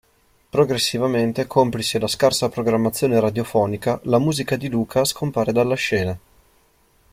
Progressivamente, complice la scarsa programmazione radiofonica, la musica di Luca scompare dalla scena.